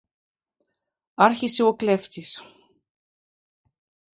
άρχισε ο κλέφτης.